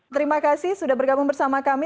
terima kasih sudah bergabung bersama kami